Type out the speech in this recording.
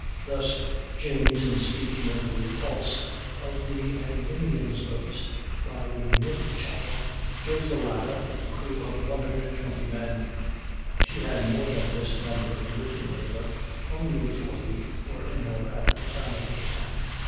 Thus, James in speaking of the repulse of the Endymion's boats by the Neufchatel gives the latter a crew of 120 men; she had more than this number originally, but only 40 were in her at the time of the attack.